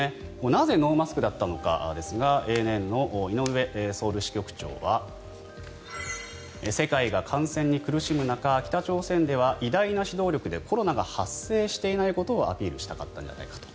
なぜノーマスクだったのかですがＡＮＮの井上ソウル支局長は世界が感染に苦しむ中北朝鮮では偉大な指導力でコロナが発生していないことをアピールしたかったんじゃないかと。